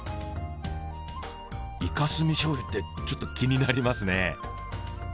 イカ墨しょうゆってちょっと気になりますね。